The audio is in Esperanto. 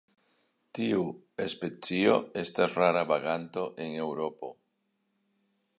Tiu specio estas rara vaganto en Eŭropo.